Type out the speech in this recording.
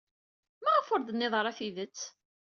Maɣef ur d-tennid ara tidet?